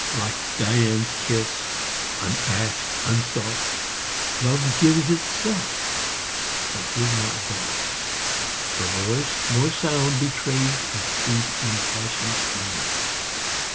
Like Dian's kiss, unasked, unsought, Love gives itself, but is not bought ; 15 Nor voice, nor sound betrays Its deep, impassioned ga/e.